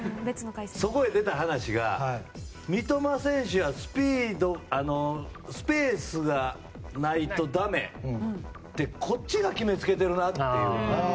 そこで出た話が三笘選手はスペースがないとだめってこっちが決めつけてるなって。